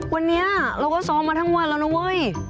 วันนี้เราก็ซ้อมมาทั้งวันแล้วนะเว้ย